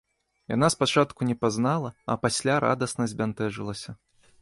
Яна спачатку не пазнала, а пасля радасна збянтэжылася.